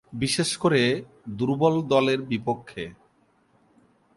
বিশেষ করে দূর্বল দলের বিপক্ষে।